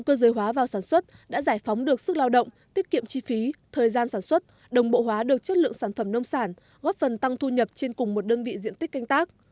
cơ giới hóa vào sản xuất đã giải phóng được sức lao động tiết kiệm chi phí thời gian sản xuất đồng bộ hóa được chất lượng sản phẩm nông sản góp phần tăng thu nhập trên cùng một đơn vị diện tích canh tác